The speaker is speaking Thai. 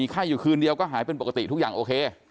ไข้อยู่คืนเดียวก็หายเป็นปกติทุกอย่างโอเค